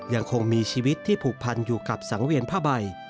ยังคงมีชีวิตที่ผูกพันอยู่กับสังเวียนผ้าใบ